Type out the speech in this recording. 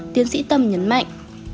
tiến sĩ tâm nhấn mạnh